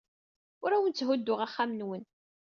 Ur awen-tthudduɣ axxam-nwen.